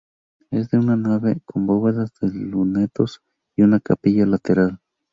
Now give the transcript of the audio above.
Es de una nave, con bóvedas de lunetos y una capilla lateral.